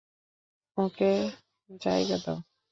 ওকে জায়গা দাও।